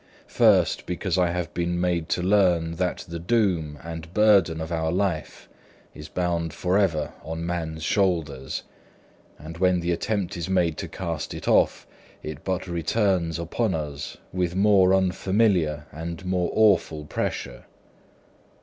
First, because I have been made to learn that the doom and burthen of our life is bound for ever on man's shoulders, and when the attempt is made to cast it off, it but returns upon us with more unfamiliar and more awful pressure.